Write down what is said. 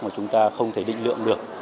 mà chúng ta không thể định lượng được